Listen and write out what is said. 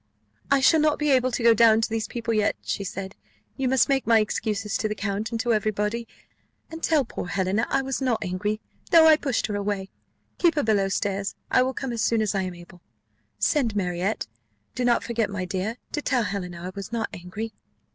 "I shall not be able to go down to these people yet," said she; "you must make my excuses to the count and to every body; and tell poor Helena I was not angry, though I pushed her away. Keep her below stairs: I will come as soon as I am able. Send Marriott. Do not forget, my dear, to tell Helena I was not angry."